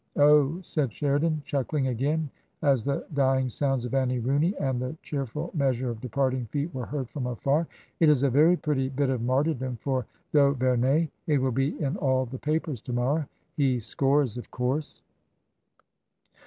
" Oh," said Sheridan, chuckling again as the dying sounds of " Annie Rooney" and the cheerful measure of departing feet were heard from afar, " it is a very pretty bit of martyrdom for d'Auvemey. It will be in all the papers to morrow. He scores, of course.